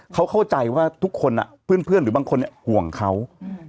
เขาเข้าใจว่าทุกคนอ่ะเพื่อนเพื่อนหรือบางคนเนี้ยห่วงเขาอืม